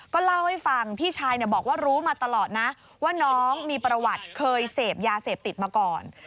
ก็เล่าให้ฟังพี่ชายบอกว่ารู้มาตลอดนะว่าน้องมีประวัติเคยเสพยาเสพติดมาก่อน